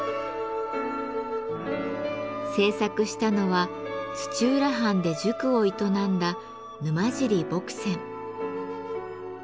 制作したのは土浦藩で塾を営んだ沼尻墨僊。